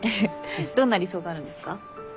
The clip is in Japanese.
どんな理想があるんですか？